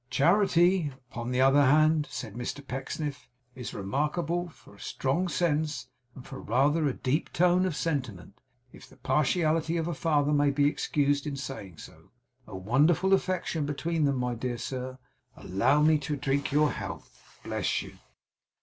'Charity, upon the other hand,' said Mr Pecksniff, 'is remarkable for strong sense, and for rather a deep tone of sentiment, if the partiality of a father may be excused in saying so. A wonderful affection between them, my dear sir! Allow me to drink your health. Bless you!